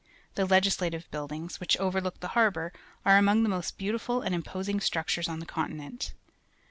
The Legislative Buildings, which overlook the harbour, are among the most beautiful and imposing structures on the continent.